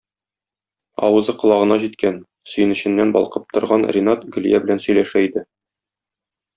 Авызы колагына җиткән, сөенеченнән балкып торган Ринат Гөлия белән сөйләшә иде.